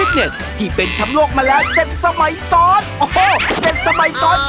เดินที่โรงคลิกแชร์กรุ๊ปกวันเสาร์